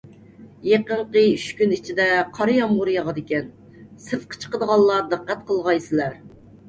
يېقىنقى ئۈچ كۈن ئىچىدە قارا يامغۇر ياغىدىكەن، سىرتقا چىقىدىغانلار دىققەت قىلغايسىلەر.